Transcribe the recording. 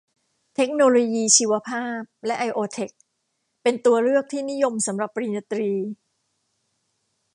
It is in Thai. เทคโนโลยีชีวภาพ หรือ ไอโอเทค เป็นตัวเลือกที่นิยมสำหรับปริญญาตรี